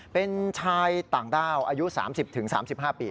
เป็นชายต่างด้าวอายุ๓๐๓๕ปี